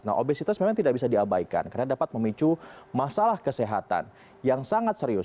nah obesitas memang tidak bisa diabaikan karena dapat memicu masalah kesehatan yang sangat serius